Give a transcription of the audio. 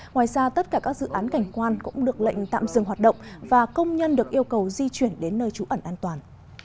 ngoài ra tất cả các dự án cảnh quan cũng được lệnh tạm dừng hoạt động và công nhân được yêu cầu di chuyển đến nơi trú ẩn an toàn